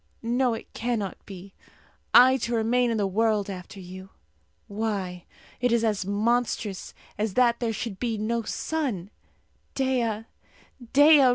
No, it cannot be I to remain in the world after you! Why, it is as monstrous as that there should be no sun! Dea! Dea!